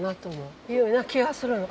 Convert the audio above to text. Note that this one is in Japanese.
ような気がするの。